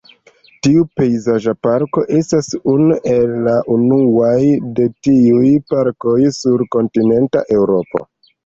Tiu pejzaĝa parko estas unu el la unuaj de tiuj parkoj sur kontinenta Eŭropo.